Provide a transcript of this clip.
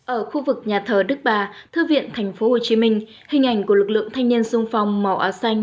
ở khu vực nhà thờ đức bà thư viện tp hcm hình ảnh của lực lượng thanh niên sung phong màu áo xanh